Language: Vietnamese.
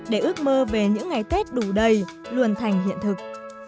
để ước mơ về những ngày tết đủ đầy luôn thành hiện thực